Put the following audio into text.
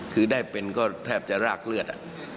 คือได้เป็นก็แทบจะรากเลือด